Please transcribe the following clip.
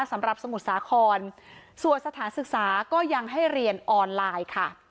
สำหรับสมุทรสาครส่วนสถานศึกษาก็ยังให้เรียนออนไลน์ค่ะ